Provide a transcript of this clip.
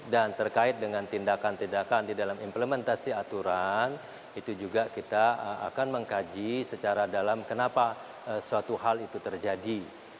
dan terkait dengan tindakan tindakan di dalam implementasi aturan itu juga kita akan mengkaji secara dalam kenapa suatu hal itu terjadi